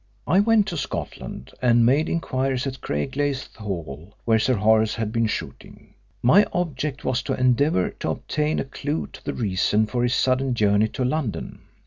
"I went to Scotland and made inquiries at Craigleith Hall, where Sir Horace had been shooting. My object was to endeavour to obtain a clue to the reason for his sudden journey to London.